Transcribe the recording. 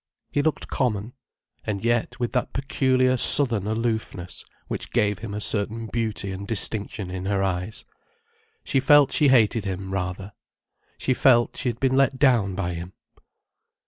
He looked common: and yet with that peculiar southern aloofness which gave him a certain beauty and distinction in her eyes. She felt she hated him, rather. She felt she had been let down by him.